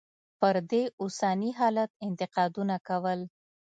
پر دې اوسني حالت انتقادونه کول.